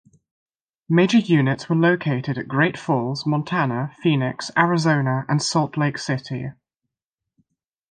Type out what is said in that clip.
Major units were located at Great Falls, Montana, Phoenix, Arizona, and Salt Lake City.